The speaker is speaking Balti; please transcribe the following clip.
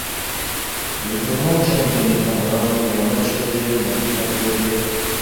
رگو تھونگ چن کنی کھا نہ غدیانگمہ چھودے ناری کھا رگودے